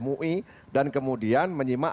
mui dan kemudian menyimak